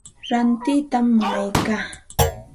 Rantiytam munaya.